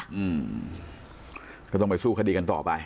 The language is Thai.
อืมก็ต้องไปสู้คดีกันต่อไป